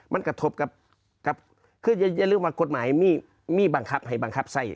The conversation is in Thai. มันกระทบกับคืออย่าลืมว่ากฎหมายมีบังคับให้บังคับไส้